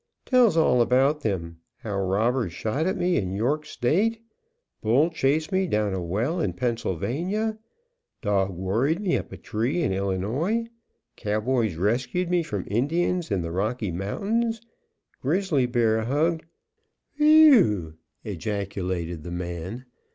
"Tells all about them: how robbers shot at me in York State, bull chased me down a well in Pennsylvania, dog worried me up a tree in Illinois, cowboys rescued me from Indians in the Rocky Mountains, grizzly bear hugged " "Whew," ejaculated the man.